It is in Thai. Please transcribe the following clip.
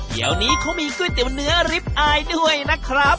เดี๋ยวนี้เขามีก๋วยเตี๋ยวเนื้อริปอายด้วยนะครับ